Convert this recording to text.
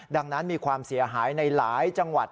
ดังนั้นมีความเสียหายในหลายจังหวัด